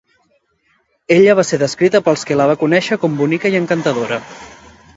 Ella va ser descrita pels que la va conèixer com bonica i encantadora.